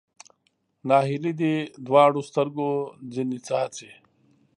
ناهیلي دې دواړو سترګو ځنې څاڅي